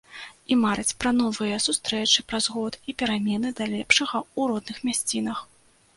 І мараць пра новыя сустрэчы праз год і перамены да лепшага ў родных мясцінах.